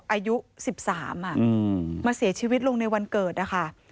อายุ๑๓มาเสียชีวิตลงในวันเกิดนะคะ